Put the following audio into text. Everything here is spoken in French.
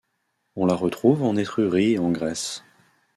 On la retrouve en Étrurie et en Grèce.